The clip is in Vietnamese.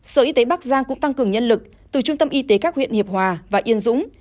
sở y tế bắc giang cũng tăng cường nhân lực từ trung tâm y tế các huyện hiệp hòa và yên dũng